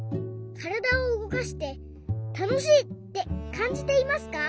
からだをうごかしてたのしいってかんじていますか？